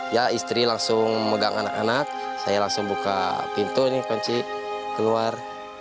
ya istri langsung megang anak anak saya langsung buka pintu ini kunci keluar